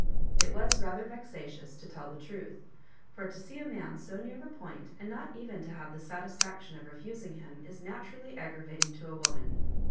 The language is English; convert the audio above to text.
It was rather vexatious, to tell the truth ; for to see a man so near the point and not even to have the satisfaction of refusing him, is naturally aggravating to a woman.